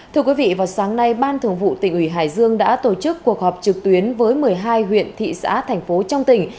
thưa quý vị vào sáng nay ban thường vụ tỉnh ủy hải dương đã tổ chức cuộc họp trực tuyến với một mươi hai huyện thị xã thành phố trong tỉnh